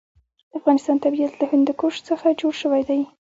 د افغانستان طبیعت له هندوکش څخه جوړ شوی دی.